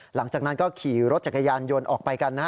หลังจากนั้นก็ขี่รถจักรยานยนต์ออกไปกันนะฮะ